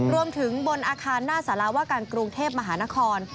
รวมถึงบนอาคารหน้าสารวการกรุงเทพมหานคร